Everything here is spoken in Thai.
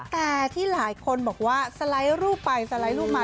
แต่ที่หลายคนบอกว่าสไลด์รูปไปสไลด์รูปมา